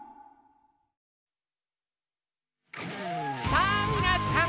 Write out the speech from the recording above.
さぁみなさん！